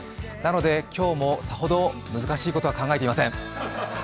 なので今日も、さほど難しいことは考えていません。